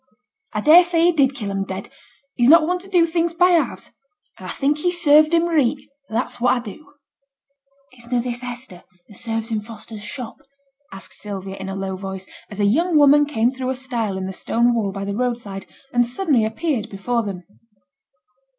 'A dare say he did kill 'em dead; he's not one to do things by halves. And a think he served 'em reet, that's what a do.' 'Is na' this Hester, as serves in Foster's shop?' asked Sylvia, in a low voice, as a young woman came through a stile in the stone wall by the roadside, and suddenly appeared before them.